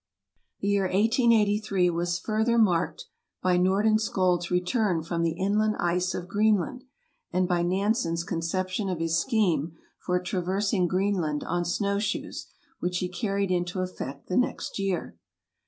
The year 1883 was fur ther marked by Nordenskjold 's return from the inland ice of Greenland, and by Nansen 's conception of his scheme for traversing Greenland on snowshoes, which he carried into effect the next year.